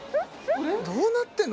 どうなってんの？